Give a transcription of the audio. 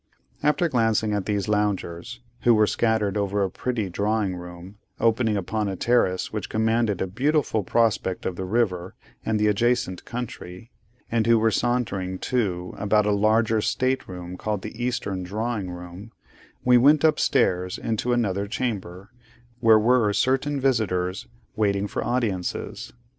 After glancing at these loungers; who were scattered over a pretty drawing room, opening upon a terrace which commanded a beautiful prospect of the river and the adjacent country; and who were sauntering, too, about a larger state room called the Eastern Drawing room; we went up stairs into another chamber, where were certain visitors, waiting for audiences.